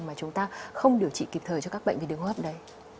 mà chúng ta không điều trị kịp thời cho các bệnh viêm đường hốp đấy